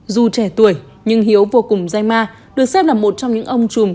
dù trẻ tuổi nhưng hiếu vô cùng dây ma được xem là một trong những ông trùm